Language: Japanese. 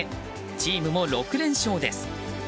チームも６連勝です。